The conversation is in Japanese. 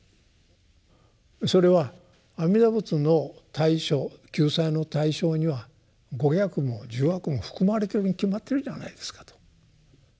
それは阿弥陀仏の対象救済の対象には五逆も十悪も含まれてるに決まってるじゃないですかと。